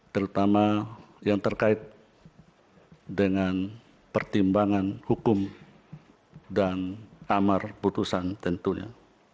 terutama yang terkait dengan pertimbangan hukum dan amar putusan tentunya